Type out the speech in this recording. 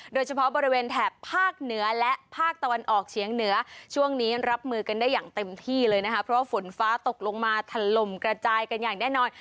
โดยเฉพาะบริเวณแถบภาคเหนือและภาคตะวันออกเฉียงเหนือช่วงนี้รับมือกันได้อย่างเต็มที่เลยนะคะเพราะว่าฝนฟ้าตกลงมาถล่มกระจายกันอย่างแน่นอน